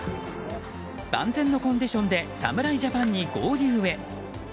万全のコンディションで侍ジャパンに合流へ。